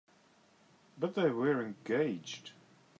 But they were engaged.